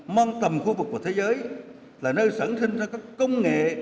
mang tầm khu vực và thế giới là nơi sẵn sinh ra các công nghệ